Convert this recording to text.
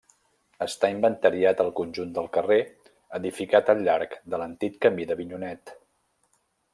Està inventariat el conjunt del carrer, edificat al llarg de l'antic camí d'Avinyonet.